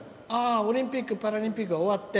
オリンピックパラリンピックが終わって。